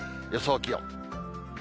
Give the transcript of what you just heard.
予想気温。